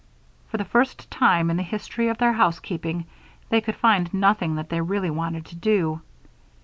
For the first time in the history of their housekeeping, they could find nothing that they really wanted to do.